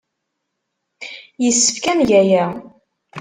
Yessefk ad neg aya.